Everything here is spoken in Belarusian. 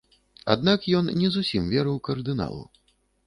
Аднак ён не зусім верыў кардыналу.